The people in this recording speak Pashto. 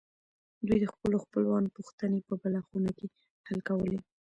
دوی د خپلو خپلوانو پوښتنې په بله خونه کې حل کولې